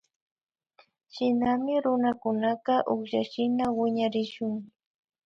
Shinami runakunaka ukshashina wiñarishun